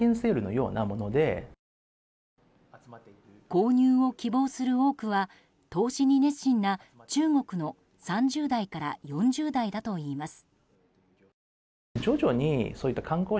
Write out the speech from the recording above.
購入を希望する多くは投資に熱心な中国の３０代から４０代だといいます。